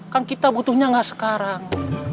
kan kita butuhnya nggak sekarang